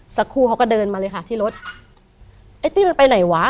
สักครู่เขาก็เดินมาเลยค่ะที่รถไอ้ตี้มันไปไหนวะ